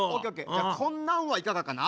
じゃこんなんはいかがかな？